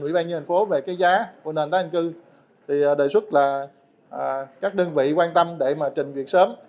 tuy nhiên thành phố về cái giá của nền đất tái định cư thì đề xuất là các đơn vị quan tâm để mà trình việc sớm